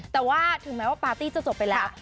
แต่ว่าถึงแม้ว่าปาร์ตี้จะจบไปแล้ว